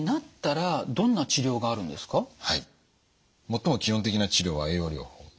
最も基本的な治療は栄養療法。